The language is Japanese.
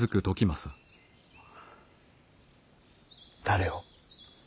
誰を。